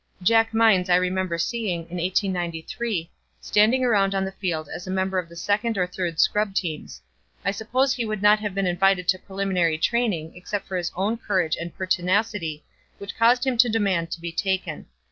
"Jack Minds I remember seeing, in 1893, standing around on the field as a member of the second or third scrub teams. I suppose he would not have been invited to preliminary training except for his own courage and pertinacity which caused him to demand to be taken.